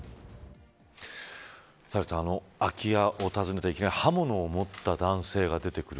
サヘルさん、空き家を訪ねて刃物を持った男性が出てくる。